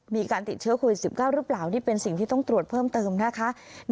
มีการติดเชื้อโควิด๑๙หรือเปล่านี่เป็นสิ่งที่ต้องตรวจเพิ่มเติมนะคะ